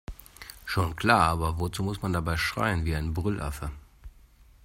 Schon klar, aber wozu muss man dabei schreien wie ein Brüllaffe?